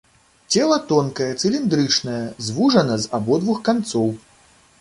Цела тонкае, цыліндрычнае, звужана з абодвух канцоў.